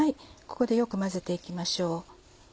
ここでよく混ぜて行きましょう。